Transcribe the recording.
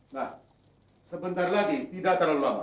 nah sebentar lagi tidak terlalu lama